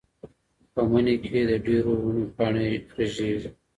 په مني کې د ډېرو ونو پاڼې رژېږي.